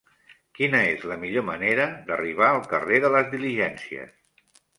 Quina és la millor manera d'arribar al carrer de les Diligències?